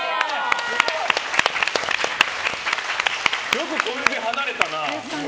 よくこれで離れたな。